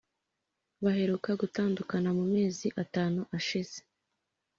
baheruka gutandukana mu mezi atanu ashize,